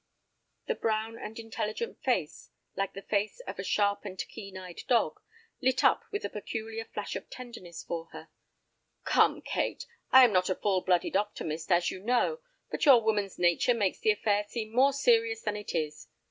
The brown and intelligent face, like the face of a sharp and keen eyed dog, lit up with a peculiar flash of tenderness for her. "Come, Kate, I am not a full blooded optimist, as you know, but your woman's nature makes the affair seem more serious than it is.